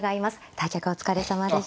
対局お疲れさまでした。